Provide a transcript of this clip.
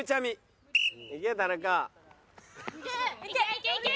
いけいけ！